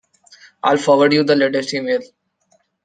I'll forward you the latest email.